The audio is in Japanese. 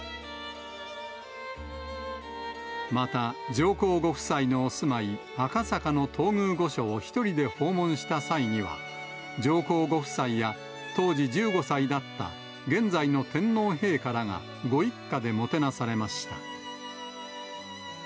また、上皇ご夫妻のお住まい、赤坂の東宮御所を１人で訪問した際には、上皇ご夫妻や、当時１５歳だった現在の天皇陛下らがご一家でもてなされました。